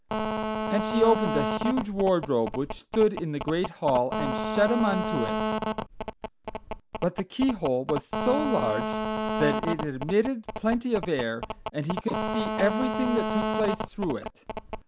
And she opened a huge wardrobe which stood in the great hall, and shut him unto it. But the keyhole was so large that it admitted plenty of air, and he could see everything that took place through it.